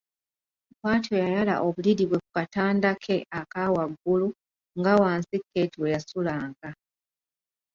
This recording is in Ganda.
Bwatyo yayala obuliri bwe ku katanda ke ak’awaggulu nga wansi Keeti we yasulanga.